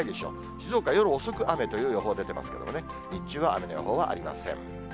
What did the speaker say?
静岡、夜遅く雨という予報出てますけれどもね、日中は雨の予報はありません。